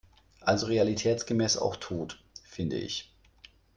Also realitätsmäßig auch tot - finde ich.